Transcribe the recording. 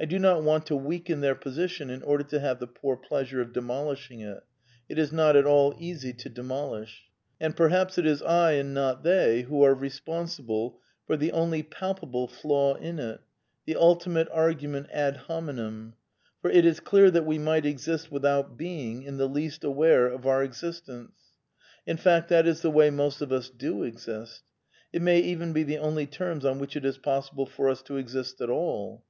I do not want to weaken their position in order to have the poor pleasure of demolishing it. It is not at all easy to demolish. And perhaps it is I and not they who are responsible for the only palpable flaw in it, the ulti mate argument ad hominem; for it is clear that we might exist without being in the least aware of our existence ; in fact, that is the way most of us do exist; it may even be the only terms on which it is possible for us to exist at all.